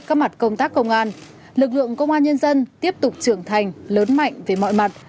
các mặt công tác công an lực lượng công an nhân dân tiếp tục trưởng thành lớn mạnh về mọi mặt